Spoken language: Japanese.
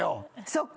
そっか。